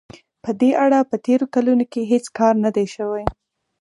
په دې اړه په تېرو کلونو کې هېڅ کار نه دی شوی.